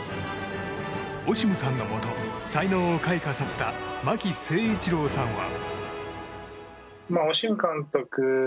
オシムさんのもと才能を開花させた巻誠一郎さんは。